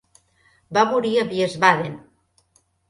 Va morir a Wiesbaden.